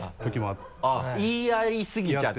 あっ言い合いすぎちゃって？